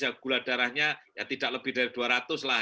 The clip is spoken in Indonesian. ya gula darahnya tidak lebih dari dua ratus lah